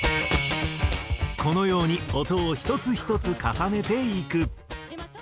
このように音を１つ１つ重ねていく。